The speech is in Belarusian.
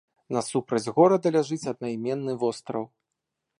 Насупраць горада ляжыць аднайменны востраў.